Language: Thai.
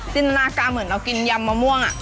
จินตนาการเหมือนเรากินยำมะม่วง